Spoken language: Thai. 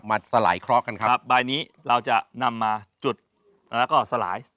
สลายเคราะห์กันครับใบนี้เราจะนำมาจุดแล้วก็สลาย